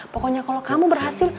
pokoknya kalo kamu berhasil